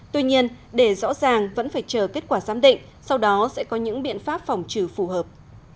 tuy nhiên để rõ ràng vẫn phải chờ kết quả giám định sau đó sẽ có những biện pháp phòng trừ phù hợp